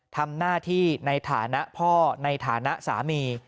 ทำหน้าที่ในฐานะพ่อในฐานะสามี